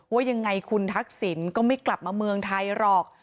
ว่ายังไงคุณทักษิณก็ไม่กลับมาเมืองไทยหรอก